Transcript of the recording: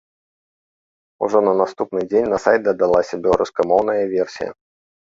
Ужо на наступны дзень на сайт дадалася беларускамоўная версія.